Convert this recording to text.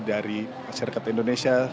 dari masyarakat indonesia